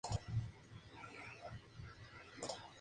De ella que sale una bóveda de medio cañón, con lunetos.